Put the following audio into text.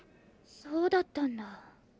そうだったんだ。